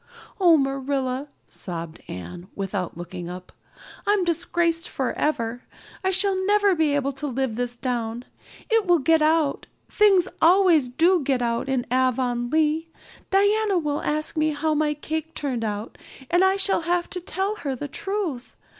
"Oh, Marilla," sobbed Anne, without looking up, "I'm disgraced forever. I shall never be able to live this down. It will get out things always do get out in Avonlea. Diana will ask me how my cake turned out and I shall have to tell her the truth.